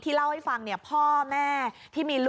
ก็เรียนหนังสืออยู่ด้วยกับผมนี่